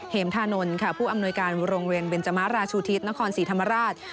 ธานนท์ค่ะผู้อำนวยการโรงเรียนเบนจมะราชูทิศนครศรีธรรมราช